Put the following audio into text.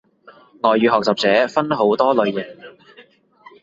外語學習者分好多類型